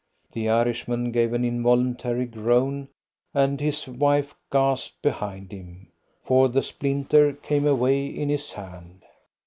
The Irishman gave an involuntary groan, and his wife gasped behind him, for the splinter came away in his hand.